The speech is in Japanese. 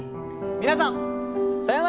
皆さんさようなら！